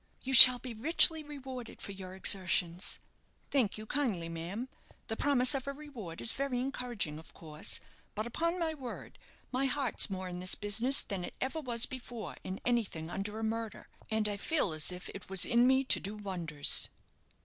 "You shall be richly rewarded for your exertions." "Thank you kindly, ma'am. The promise of a reward is very encouraging, of course; but, upon my word, my heart's more in this business than it ever was before in anything under a murder; and I feel as if it was in me to do wonders."